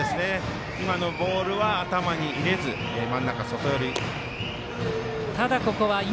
今のボールは頭に入れず真ん中外寄り。